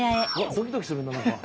ドキドキするなあ何か。